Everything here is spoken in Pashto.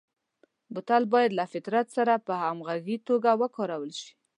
بوتل باید له فطرت سره په همغږي توګه وکارول شي.